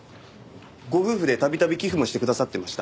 ご夫婦で度々寄付もしてくださってました。